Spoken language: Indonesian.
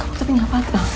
kamu tapi gak apa apa